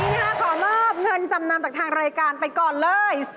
ขอมอบเงินจำนำจากทางรายการไปก่อนเลย